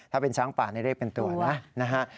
ถ้าเป็นช้างป่าเรียกเป็นตัวนะนะฮะ